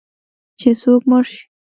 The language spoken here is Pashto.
چې څوک مړ شي